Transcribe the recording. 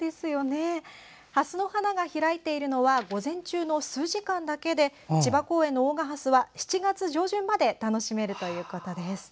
ハスの花が開いているのは午前中の数時間だけで千葉公園の大賀ハスは７月上旬まで楽しめるということです。